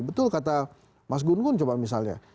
betul kata mas gungun coba misalnya